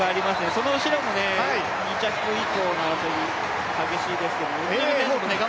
その後ろも２着以降の争いが激しいですけれども。